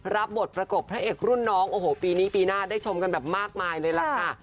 รับบทประกบพระเอกรุ่นน้องบีนี้บีหน้าได้ชมกันผลอย่างมากมายเลยละค่ะ